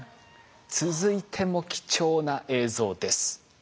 続いても貴重な映像です。